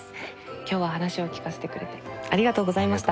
今日は話を聞かせてくれてありがとうございました。